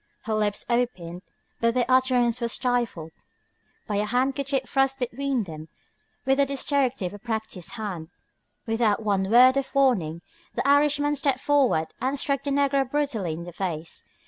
Her lips opened, but their utterance was stifled by a handkerchief thrust between them with the dexterity of a practised hand. Without one word of warning the Irishman stepped forward and struck the negro brutally in the face.